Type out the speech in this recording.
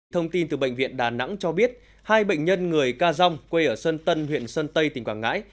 thông tin từ bệnh viện đà nẵng cho biết hai bệnh nhân người ca dong quê ở sơn tân huyện sơn tây tỉnh quảng ngãi